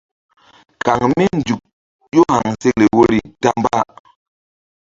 Kaŋ mí nzuk ƴó haŋsekle woyri ta mba.